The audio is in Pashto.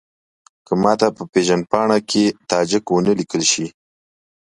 که ماته په پېژندپاڼه کې تاجک ونه لیکل شي.